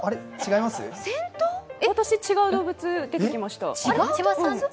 私、違う動物出てきました。